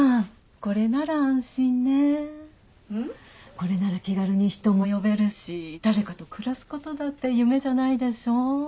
これなら気軽に人も呼べるし誰かと暮らすことだって夢じゃないでしょ？